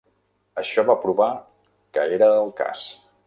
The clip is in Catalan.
Això va provar que era el cas.